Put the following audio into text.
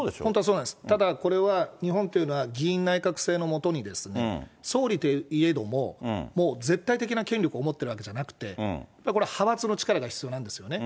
ただ、これは日本というのは議院内閣制の下に、総理といえども、もう絶対的な権力を持ってるわけじゃなくて、これ、派閥の力が必要なんですよね。